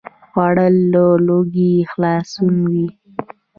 خوړل له لوږې خلاصون وي